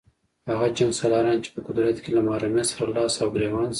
هغه جنګسالاران چې په قدرت کې له محرومیت سره لاس او ګرېوان شي.